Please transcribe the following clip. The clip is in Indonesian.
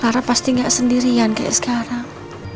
karena pasti gak sendirian kayak sekarang